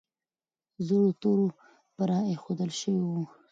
زور د تورو پر سر ایښودل شوی و.